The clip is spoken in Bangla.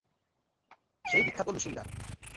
সেই বিখ্যাত লুসিন্ডা।